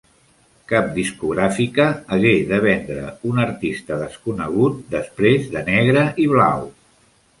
Cap discogràfica hagué de vendre un artista desconegut després de Negre i Blau.